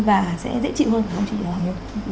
và sẽ dễ chịu hơn